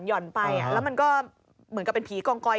ห่อนไปแล้วมันก็เหมือนกับเป็นผีกองกอย